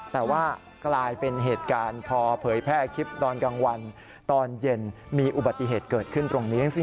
แต่ว่ากลายเป็นเหตุการณ์พอเผยแพร่คลิปตอนกลางวันตอนเย็นมีอุบัติเหตุเกิดขึ้นตรงนี้